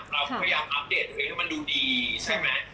เราก็อยากอัพเดทให้มันดูดีใช่ไหม